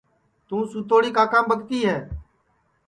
توں سُتوڑی کاکام ٻکتی ہے